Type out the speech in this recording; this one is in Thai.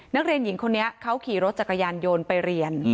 นักเรียนหญิงคนนี้เขาขี่รถจักรยานยนต์ไปเรียน